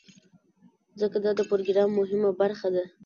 ځکه دا د پروګرام مهمه برخه ده.